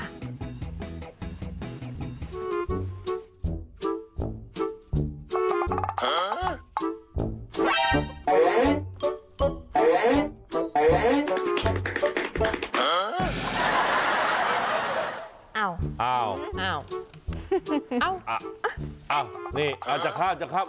อ้าวอ้าวอ้าวอ้าวนี่เราจะข้ามจะข้าม